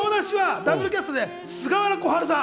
ダブルキャストで朴ろ美さん。